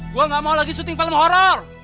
gue nggak mau lagi syuting film horor